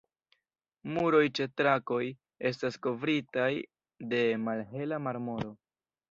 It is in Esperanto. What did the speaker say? Muroj ĉe trakoj estas kovritaj de malhela marmoro.